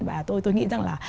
và tôi nghĩ rằng là